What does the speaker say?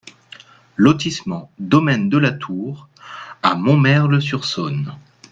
Lotissement Domaine de la Tour à Montmerle-sur-Saône